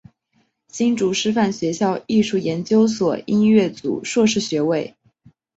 新竹师范学校艺术研究所音乐组硕士学位。